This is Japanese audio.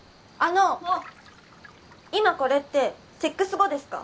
今これってセックス後ですか？